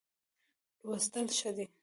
لوستل ښه دی.